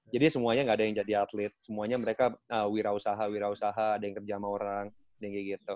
jadi semuanya gak ada yang jadi atlet semuanya mereka wirausaha wirausaha ada yang kerja sama orang dan kayak gitu